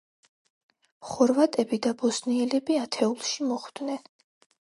ხორვატები და ბოსნიელები ათეულში მოხვდნენ.